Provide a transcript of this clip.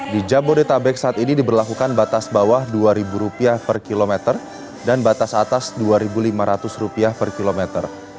di jabodetabek saat ini diberlakukan batas bawah rp dua per kilometer dan batas atas rp dua lima ratus per kilometer